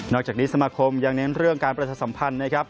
นอกจากนี้สมาคมยังเน้นเรื่องการประชาสัมพันธ์